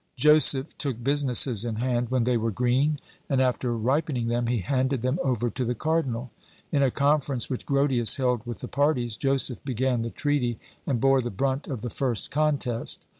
Joseph took businesses in hand when they were green, and, after ripening them, he handed them over to the cardinal. In a conference which Grotius held with the parties, Joseph began the treaty, and bore the brunt of the first contest.